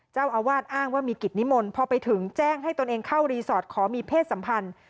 เจ้าอาวาสอ้างว่ามีกิจนิมนต์พอไปถึงแจ้งให้ตนเองเข้ารีสอร์ทขอมีเพศสัมพันธ์